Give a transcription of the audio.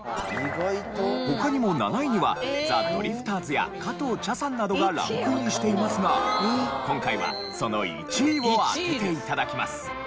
他にも７位にはザ・ドリフターズや加藤茶さんなどがランクインしていますが今回はその１位を当てて頂きます。